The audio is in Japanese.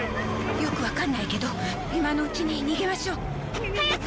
よくわかんないけど今のうちに逃げましょう。早く！